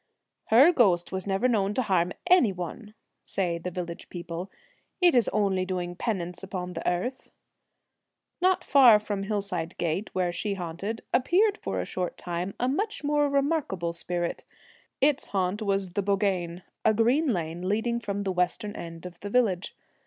1 Her ghost was never known to harm any one,' say the village people; 'it is only doing a penance upon the earth.' Not far from Hillside Gate, where she haunted, appeared for a short time a much more remarkable spirit. Its haunt was the bogeen, a green lane leading from the western end of the village.